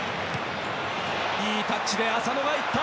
いいタッチで浅野が行った。